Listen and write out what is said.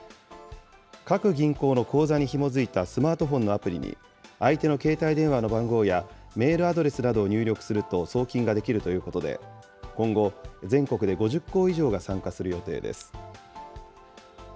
各銀行の口座にひも付いたスマートフォンのアプリに、相手の携帯電話の番号や、メールアドレスなどを入力すると送金ができるということで、今後、全国で５０行以上が参加する予定です。